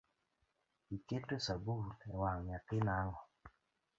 Iketo sabun ewang’ nyathi nang’o?